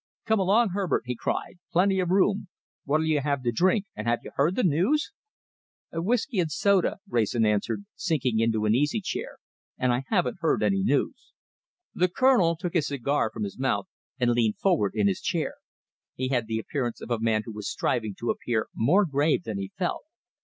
"Come along, Herbert," he cried. "Plenty of room. What'll you have to drink, and have you heard the news?" "Whisky and soda," Wrayson answered, sinking into an easy chair, "and I haven't heard any news." The Colonel took his cigar from his mouth, and leaned forward in his chair. He had the appearance of a man who was striving to appear more grave than he felt.